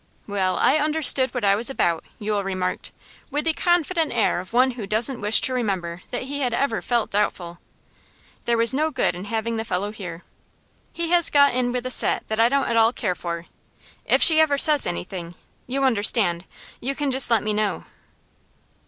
'Well, I understood what I was about,' Yule remarked, with the confident air of one who doesn't wish to remember that he had ever felt doubtful. 'There was no good in having the fellow here. He has got in with a set that I don't at all care for. If she ever says anything you understand you can just let me know.